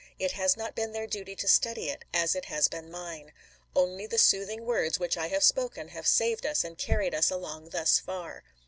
It has not been their duty to study it, as it has been mine. Only the soothing words which I have spoken have saved us and carried us along thus far.